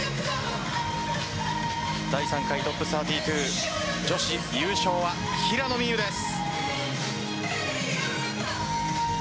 第３回ＴＯＰ３２女子優勝は平野美宇です。